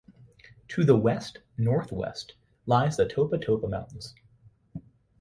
To the west-northwest lies the Topatopa Mountains.